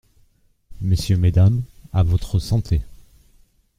Messieurs, Mesdames, à votre santé.